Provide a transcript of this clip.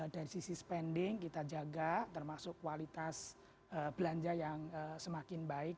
dari sisi spending kita jaga termasuk kualitas belanja yang semakin baik